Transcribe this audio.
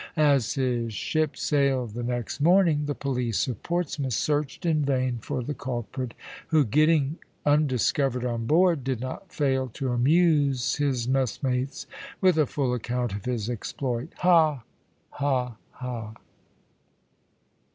As his ship sailed the next morning, the police of Portsmouth searched in vain for the culprit, who, getting undiscovered on board, did not fail to amuse his messmates with a full account of his exploit; ha! ha! ha!"